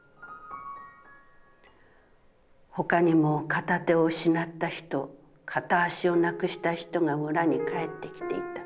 他にも片手を失った人、片足を無くした人が村に帰って来ていた。